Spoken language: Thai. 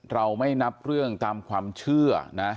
เราไม่นับเรื่องตามความเชื่อนะ